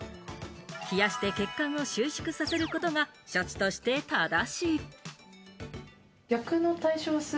冷やして血管を収縮させることが処置として正しい。